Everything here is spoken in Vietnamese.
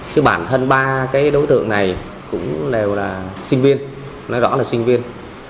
chứ bản thân ba cái đối tượng này cũng đều là sinh viên nói rõ là sinh viên